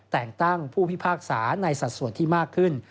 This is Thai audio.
แต่งตั้งผู้พิพากษาในสัดส่วนที่มากขึ้น